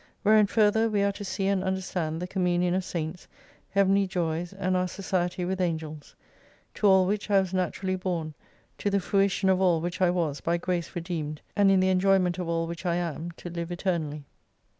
Wherein further we are to see and understand the communion of Saints, Heavenly joys, and our society with Angels. To all which I was naturally born, to the fruition of all which I was by Grace redeemed, and in the enjoyment of all which I am to live eternally.